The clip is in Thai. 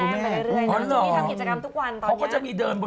เลยทำกิจกรรมทุกวันตอนนี้